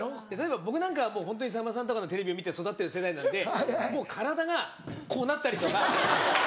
僕なんかはさんまさんとかのテレビを見て育ってる世代なんでもう体がこうなったりとか。